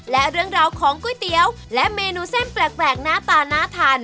และเรื่องราวของก๋วยเตี๋ยวและเมนูเส้นแปลกหน้าตาน่าทาน